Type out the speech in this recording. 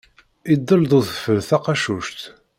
Idel-d udfel taqacuct.